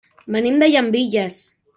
Venim de Llambilles.